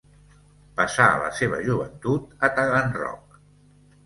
Passà la seva joventut a Taganrog.